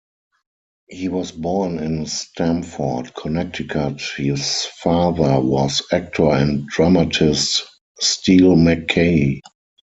He was born in Stamford, Connecticut; his father was actor and dramatist Steele MacKaye.